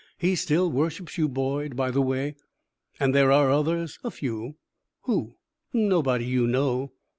He still worships you, Boyd, by the way." "And there are others?" "A few." "Who?" "Nobody you know."